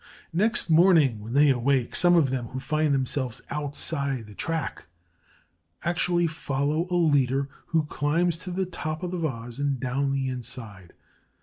Next morning, when they awake, some of them who find themselves outside the track actually follow a leader who climbs to the top of the vase and down the inside.